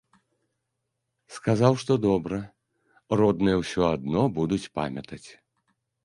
Сказаў, што добра, родныя ўсё адно будуць памятаць.